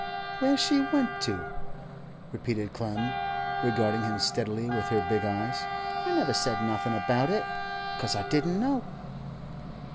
'Where she went to?' repeated Clem, regarding him steadily with her big eyes, 'I never said nothing about it, 'cause I didn't know.